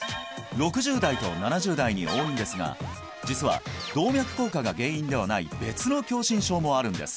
６０代と７０代に多いんですが実は動脈硬化が原因ではない別の狭心症もあるんです